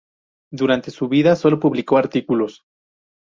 Durante su vida sólo publicó artículos.